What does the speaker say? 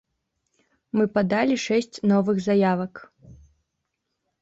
Мы падалі шэсць новых заявак.